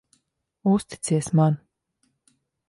Uzticies man.